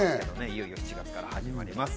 いよいよ７月から始まります。